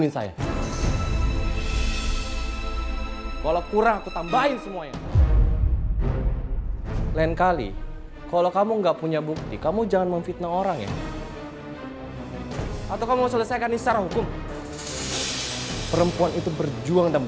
sampai jumpa di video selanjutnya